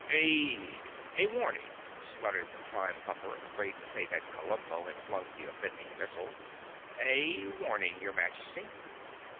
"A—a warning!" stuttered the Prime Pumper, afraid to say that Kabumpo had flung the offending missile. "A warning, your Majesty!"